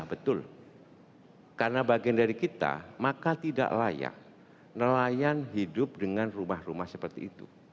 betul karena bagian dari kita maka tidak layak nelayan hidup dengan rumah rumah seperti itu